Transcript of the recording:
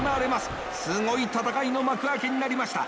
すごい戦いの幕開けになりました。